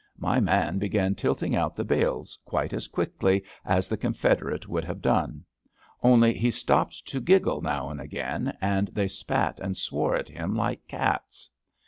My man began tilting out the bales quite as quickly as the confederate would have done. Only he stopped to giggle now and again, and they spat and swore at him like cats.